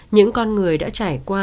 những con người đã trải qua